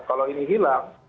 kalau ini hilang